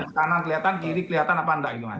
ke kanan kelihatan kiri kelihatan apa enggak gitu kan